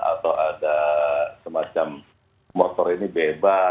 atau ada semacam motor ini bebas